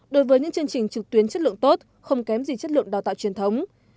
đối với những chương trình trực tuyến chất lượng tốt không kém gì chất lượng đào tạo truyền thống